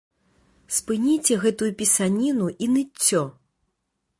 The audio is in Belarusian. Спыніце гэтую пісаніну і ныццё!